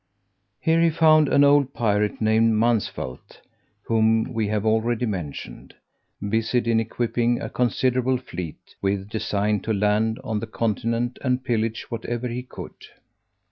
Here he found an old pirate, named Mansvelt (whom we have already mentioned), busied in equipping a considerable fleet, with design to land on the continent, and pillage whatever he could.